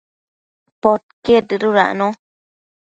Podquied dëdudacno